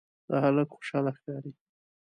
دا هلک خوشاله ښکاري.